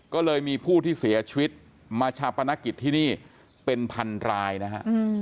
ก็เลยมีผู้ที่เสียชีวิตมาชาปนกิจที่นี่เป็นพันรายนะฮะ